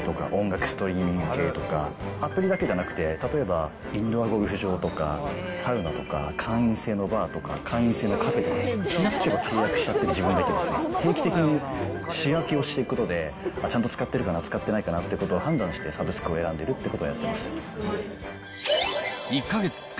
動画ストリーミング系とか、音楽ストリーミング系とか、アプリだけじゃなくて、例えばインドアゴルフ場とか、サウナとか、会員制のバーとか会員制のカフェとか、気が付けば契約しちゃってる自分がいて、定期的に仕分けをしていくことで、ちゃんと使ってるかな、使ってないかなということを判断して、サブスクを選んでるっていうことをやってます。